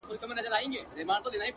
هره موخه قرباني غواړي